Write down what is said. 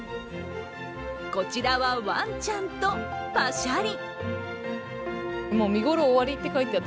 こちらはワンちゃんとパシャリ。